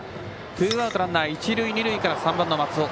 ツーアウトランナー、一塁二塁から３番の松尾。